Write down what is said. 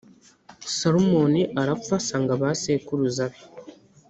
Salomoni arapfa asanga abasekuru be,